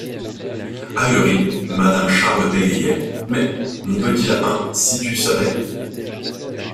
Ahurie, madame Charles bégayait: — Mais, mon petit lapin, si tu savais...